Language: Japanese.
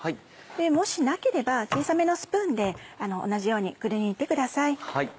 もしなければ小さめのスプーンで同じようにくりぬいてください。